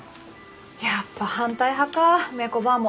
やっぱ反対派かあ梅子ばぁも。